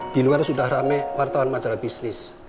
di luar sudah rame wartawan majalah bisnis